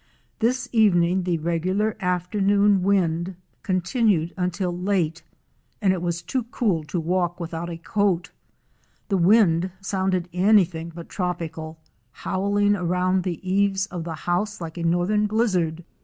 This evening the regular afternoon wind continued until 248 OUR SEARCH FOR A WILDERNESS. late, and it was too cool to walk about without a coat. The wind sounded anything but tropical, howling around the eaves of the house like a northern blizzard.